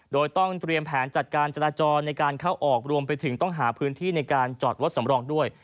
โดยต้องเตรียมแผนจัดการจราจรในการเข้าออกรวมไปถึงต้องหาพื้นที่ในการจอดรถสำรองด้วย